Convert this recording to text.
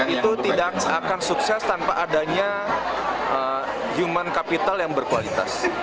itu tidak akan sukses tanpa adanya human capital yang berkualitas